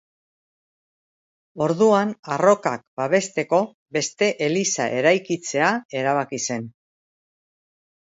Orduan, arrokak babesteko, beste eliza eraikitzea erabaki zen.